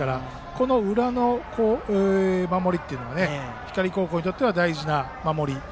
この裏の守りというのは光高校にとっては大事な守りです。